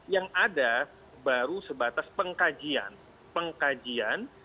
yang ada baru sebatas pengkajian pengkajian